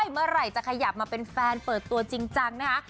เมื่อไหร่จะขยับมาเป็นแฟนเปิดตัวจริงจังนะคะ